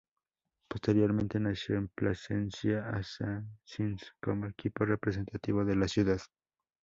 Posteriormente nació el Placencia Assassins como equipo representativo de la ciudad.